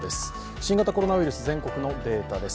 新型コロナウイルス、全国のデータです。